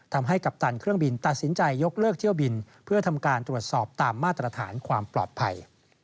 กัปตันเครื่องบินตัดสินใจยกเลิกเที่ยวบินเพื่อทำการตรวจสอบตามมาตรฐานความปลอดภัย